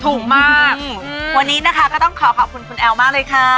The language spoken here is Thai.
ถูกมากวันนี้นะคะก็ต้องขอขอบคุณคุณแอลมากเลยค่ะ